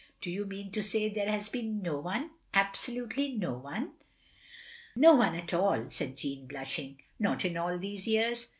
Do you mean to say there has been no one — ^absolutely no one?" " No one at all, " said Jeanne, blushing. " Not in all these years.